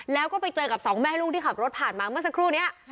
แล้วก็ไปเจอกับสองแม่ลูกที่ขับรถผ่านมาเมื่อสักครู่นี้